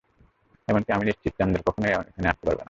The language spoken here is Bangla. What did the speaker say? এমনকি আমি নিশ্চিত, চান্দেল কখনোই এখানে আসতে পারবে না।